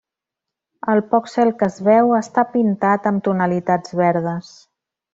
El poc cel que es veu està pintat amb tonalitats verdes.